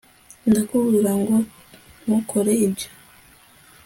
ndakuburira ngo ntukore ibyo